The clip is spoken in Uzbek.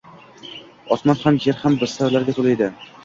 Osmon ham, yer ham sirlarga to‘la edi.